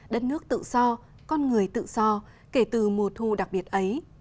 đất nước tự do con người tự do kể từ mùa thu đặc biệt ấy